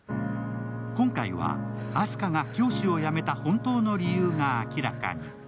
今回は、あす花が教師を辞めた本当の理由が明らかに。